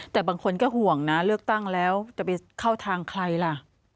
แต่บางคนก็ห่วงนะเลือกตั้งแล้วจะไปเข้าทางใครล่ะ